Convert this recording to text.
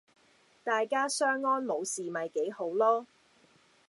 大家相安冇事咪好囉